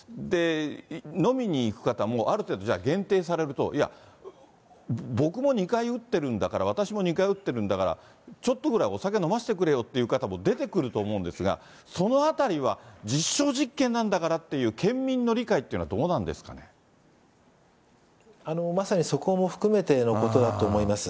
飲みに行く方もある程度、じゃあ限定されると、いや、僕も２回打ってるんだから、私も２回打ってるんだから、ちょっとぐらいお酒飲ませてくれよという方も出てくると思うんですが、そのあたりは実証実験なんだからっていう県民の理解というのはどまさにそこも含めてのことだと思います。